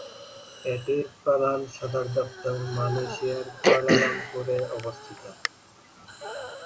এটির প্রধান সদরদপ্তর মালয়েশিয়ার কুয়ালালামপুরে অবস্থিত।